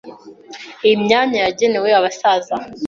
Iyi myanya yagenewe abasaza.